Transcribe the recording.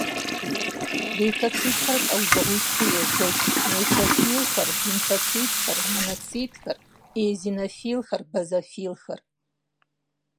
Лейкоцитхэр лӏэужьыгъуитхуу егуэш: нейтрофилхэр, лимфоцитхэр, моноцитхэр, эозинофилхэр, базофилхэр.